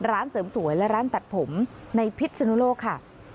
ร้านเสริมสวยและร้านตัดผมในพิษนุโลกค่ะ